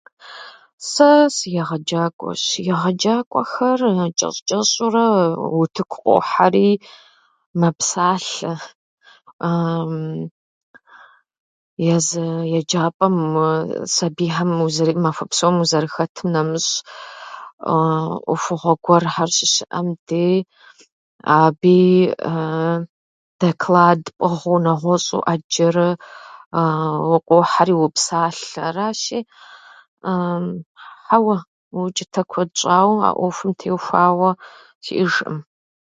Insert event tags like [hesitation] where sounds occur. Сэ сыегъэджакӏуэщ. Егъэджакӏуэхэр чӏэщӏ-чӏэщӏурэ утыку къохьэри мэпсалъэ. [hesitation] Езы еджапӏэм сабийхьэм узэры- махуэ псом уазэрыхэтым нэмыщӏ [hesitation] ӏуэхугъуэ гуэрхьэр щыщыӏэм деи абыи [hesitation] доклад пӏыгъыу, нэгъуэщӏу ӏэджэрэ [hesitation] укъохьэри уопсалъэ. Аращи, [hesitation] хьэуэ, учӏытэ куэд щӏауэ а ӏуэхум теухуауэ сиӏэжӏым.